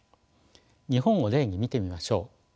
日本を例に見てみましょう。